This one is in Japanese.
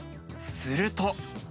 すると。